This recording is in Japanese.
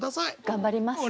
頑張ります。